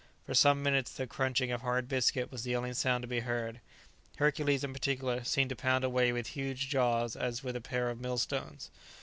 For some minutes the crunching of hard biscuit was the only sound to be heard; Hercules, in particular, seemed to pound away with his huge jaws as with a pair of millstones.